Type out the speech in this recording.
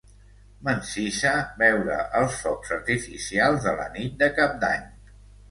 M'encisa veure els focs artificials de la nit de cap d'any.